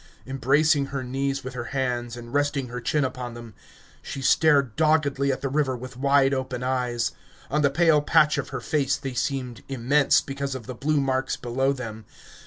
Embracing her knees with her hands, and resting her chin upon them, she stared doggedly at the river with wide open eyes; on the pale patch of her face they seemed immense, because of the blue marks below them.